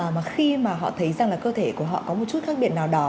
mà khi mà họ thấy rằng là cơ thể của họ có một chút khác biệt nào đó